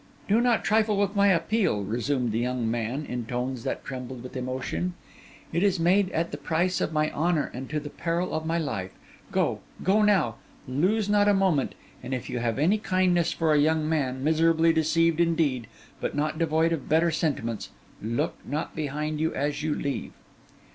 'Do not trifle with my appeal,' resumed the young man, in tones that trembled with emotion. 'It is made at the price of my honour and to the peril of my life. Go—go now! lose not a moment; and if you have any kindness for a young man, miserably deceived indeed, but not devoid of better sentiments, look not behind you as you leave.